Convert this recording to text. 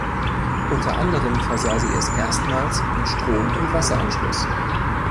Unter anderem versah sie es erstmals mit Strom- und Wasseranschluss.